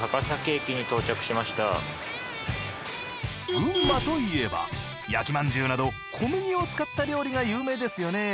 群馬といえば焼きまんじゅうなど小麦を使った料理が有名ですよね。